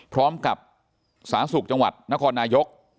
พร้อมกับสหสุขจังหวัดนครนายก